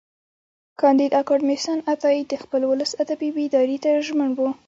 کانديد اکاډميسن عطایي د خپل ولس ادبي بیداري ته ژمن و.